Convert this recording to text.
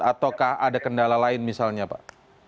ataukah ada kendala lain misalnya pak